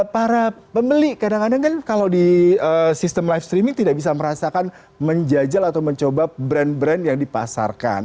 para pembeli kadang kadang kan kalau di sistem live streaming tidak bisa merasakan menjajal atau mencoba brand brand yang dipasarkan